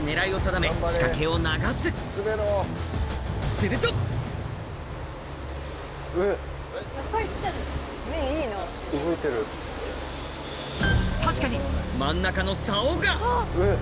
すると確かに真ん中の竿がえっ？